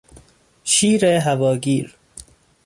شیر هواگیر